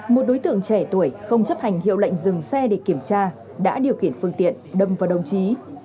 một đối tượng trẻ tuổi không chấp hành hiệu lệnh dừng xe để kiểm tra đã điều khiển phương tiện đâm vào đồng chí